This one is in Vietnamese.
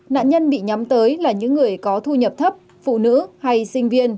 nạn nhân bị nhắm tới là những người có thu nhập thấp phụ nữ hay sinh viên